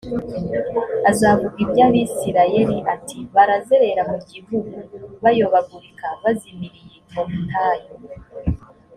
azavuga iby abisirayeli ati barazerera mu gihugu bayobagurika bazimiriye mu butayu